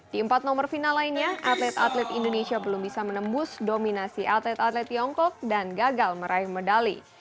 di empat nomor final lainnya atlet atlet indonesia belum bisa menembus dominasi atlet atlet tiongkok dan gagal meraih medali